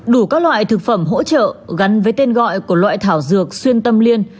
đủ các loại thực phẩm hỗ trợ gắn với tên gọi của loại thảo dược xuyên tâm liên